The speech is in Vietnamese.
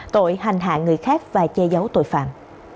tội hành hạ người khác và che giấu tội phạm